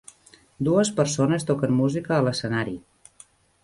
Dues persones toquen música a l'escenari.